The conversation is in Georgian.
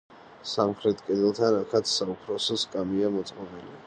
სამხრეთ კედელთან აქაც „საუფროსო სკამია“ მოწყობილი.